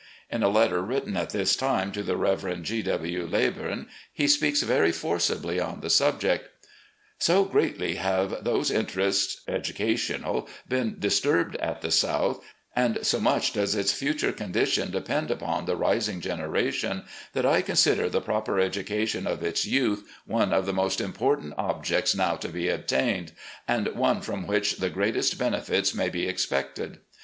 In a letter written at this time to the Reverend G. W. Ley bum, he speaks very forcibly on the subject :" So greatly have those interests [educational] been dis turbed at the South, and so much does its future condition depend upon the rising generation, that I consider the proper education of its youth one of the most important objects now to be attained, and one from which the great est benefits may be expected.